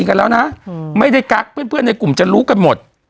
ดีกันแล้วนะอืมไม่ได้กักเพื่อนเพื่อนในกลุ่มจะรู้กันหมด